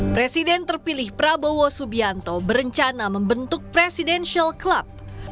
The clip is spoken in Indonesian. presiden terpilih prabowo subianto berencana membentuk presidential club